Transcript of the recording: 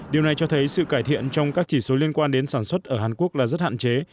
điều này cho thấy sự cải thiện trong các chỉ số liên quan đến sản xuất ở hàn quốc là rất hạn chế